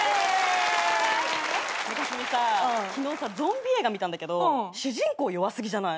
ゾンビ映画見たんだけど主人公弱すぎじゃない？